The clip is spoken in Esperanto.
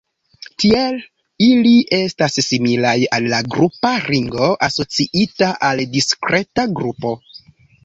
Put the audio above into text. Tiel ili estas similaj al la grupa ringo asociita al diskreta grupo.